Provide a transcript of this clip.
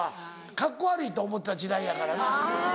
カッコ悪いと思ってた時代やからね。